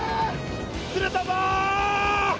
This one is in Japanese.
釣れたぞ！